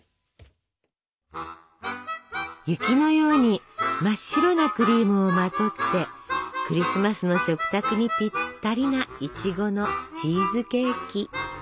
雪のように真っ白なクリームをまとってクリスマスの食卓にぴったりないちごのチーズケーキ。